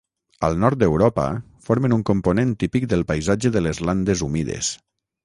Al nord d'Europa, formen un component típic del paisatge de les landes humides.